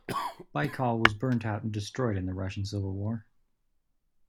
"Baikal" was burnt out and destroyed in the Russian Civil War.